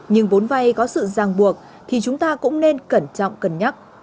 nhưng vốn vay có sự giang buộc thì chúng ta cũng nên cẩn trọng cẩn nhắc